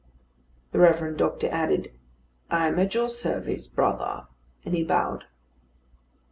The Reverend Doctor added, "I am at your service, brother;" and he bowed.